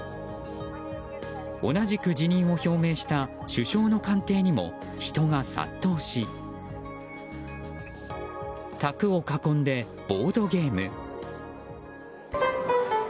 同じく辞任を表明した首相の官邸にも人が殺到し卓を囲んでボードゲーム。